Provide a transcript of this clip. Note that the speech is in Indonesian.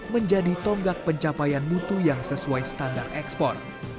menjadi tonggak pencapaian mutu yang sesuai standar ekspor